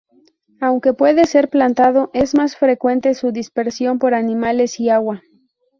Aunque puede ser plantado, es más frecuente su dispersión por animales y agua.